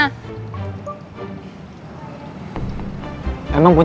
emang putri kenapa cit